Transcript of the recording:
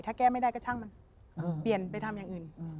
ถ้าแก้ไม่ได้ก็ช่างมันเปลี่ยนไปทำอย่างอื่น